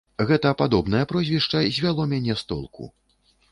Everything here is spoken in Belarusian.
Гэта падобнае прозвішча звяло мяне з толку.